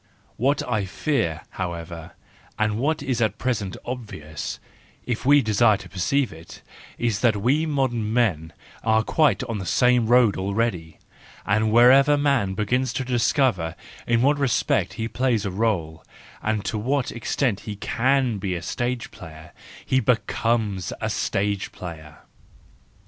What I fear, however, and what is at present obvious, if we desire to perceive it, is that we modern men are quite on the same road already; and whenever man begins to discover in what respect he plays a role, and to what extent he can be a stage player, he becomes a stage player.